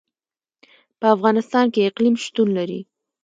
په افغانستان کې اقلیم شتون لري.